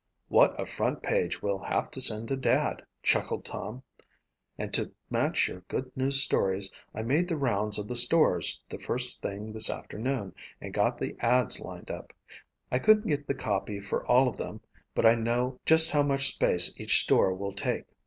"What a front page we'll have to send to Dad," chuckled Tom. "And to match your good news stories, I made the rounds of the stores the first thing this afternoon and got the ads lined up. I couldn't get the copy for all of them but I know just how much space each store will take.